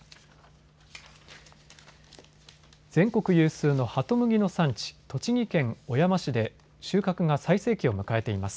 全国有数のハトムギの産地、栃木県小山市で収穫が最盛期を迎えています。